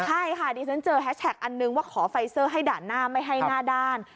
ใช่ค่ะดิฉันเจอแฮชแท็กอันนึงว่าขอไฟเซอร์ให้ด่านหน้าไม่ให้หน้าด้าน